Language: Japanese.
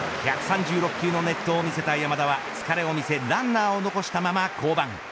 １３６球の熱投を見せた山田は疲れを見せランナーを残したまま降板。